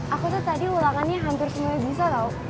aku tadi ulangannya hampir semuanya bisa tau